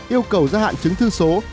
yêu cầu gia hạn chứng thư số